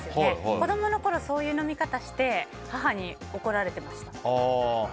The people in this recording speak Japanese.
子供のころそういう飲み方して母に怒られてました。